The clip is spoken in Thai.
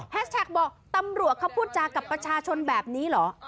แท็กบอกตำรวจเขาพูดจากับประชาชนแบบนี้เหรอ